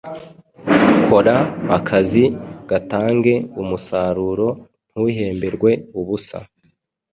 kora akazi gatange umusaruro ntuhemberwe ubusa.